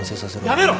やめろ！